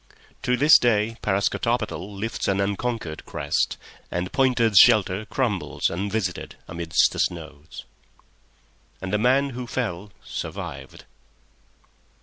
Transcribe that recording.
To this day Parascotopetl lifts an unconquered crest, and Pointer's shelter crumbles unvisited amidst the snows. And the man who fell survived.